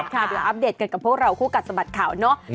เดี๋ยวอัปเดตกันกับพวกเราคู่กัดสะบัดข่าวเนาะ